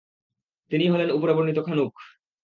তিনিই হলেন, উপরে বর্ণিত খানুখ।